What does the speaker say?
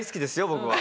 僕は。